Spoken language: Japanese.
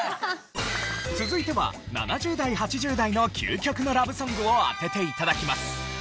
続いては７０代８０代の究極のラブソングを当てて頂きます。